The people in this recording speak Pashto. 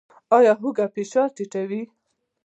ایا هوږه فشار ټیټوي؟